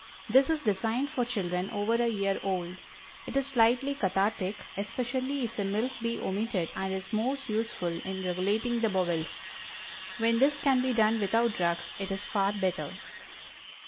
This is designed for children over a year old. It is slightly cathartic; especially if the milk be omitted, and is most useful in regulating the bowels. When this can be done without drugs, it is far better.